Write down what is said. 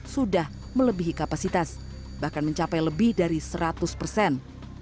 sudah melebihi kapasitas bahkan mencapai lebih dari seratus persen